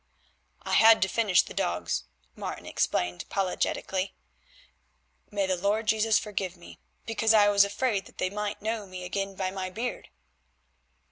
"I had to finish the dogs," Martin explained apologetically—"may the Lord Jesus forgive me—because I was afraid that they might know me again by my beard."